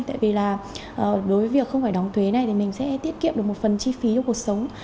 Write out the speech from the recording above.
tại vì là đối với việc không phải đóng thuế này thì mình sẽ tiết kiệm được một phần chi phí cho cuộc sống